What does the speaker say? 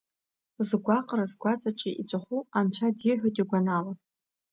Згәаҟра згәаҵаҿы иҵәаху, анцәа диҳәоит игәанала.